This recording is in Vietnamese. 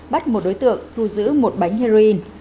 bắt một đối tượng thu giữ một bánh heroin